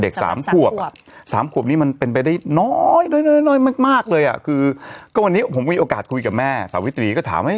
สามขวบอ่ะสามขวบนี้มันเป็นไปได้น้อยน้อยมากมากเลยอ่ะคือก็วันนี้ผมมีโอกาสคุยกับแม่สาวิตรีก็ถามว่า